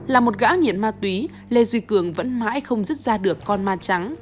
là một gã nhiện ma túy lê duy cường vẫn mãi không rứt ra được con ma trắng